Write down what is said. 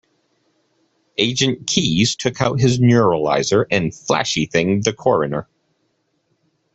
Agent Keys took out his neuralizer and flashy-thinged the coroner.